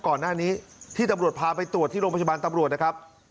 ก่อนหน้านี้ที่ตำรวจพาไปตรวจที่โรงพยาบาลตำรวจนะครับ